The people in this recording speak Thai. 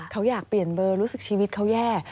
เขาอยากเปลี่ยนเบอร์รู้สึกชีวิตเขาแย่